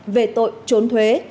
về tội trốn thuế